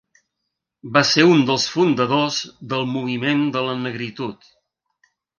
Va ser un dels fundadors del moviment de la negritud.